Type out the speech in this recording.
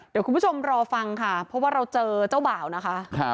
เดี๋ยวคุณผู้ชมรอฟังค่ะเพราะว่าเราเจอเจ้าบ่าวนะคะ